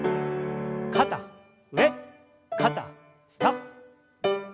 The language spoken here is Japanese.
肩上肩下。